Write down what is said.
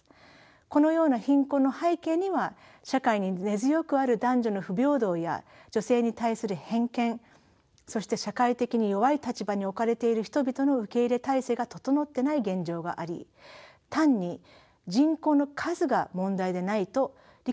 このような貧困の背景には社会に根強くある男女の不平等や女性に対する偏見そして社会的に弱い立場に置かれている人々の受け入れ体制が整ってない現状があり単に人口の数が問題でないと理解することが重要です。